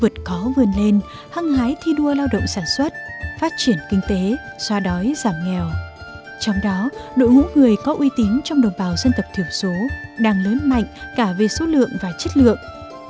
trong đó đội hũ người có uy tín trong đồng bào dân tộc thiểu số đang lớn mạnh cả về số lượng và chất lượng